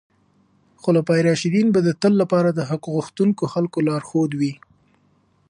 خلفای راشدین به د تل لپاره د حق غوښتونکو خلکو لارښود وي.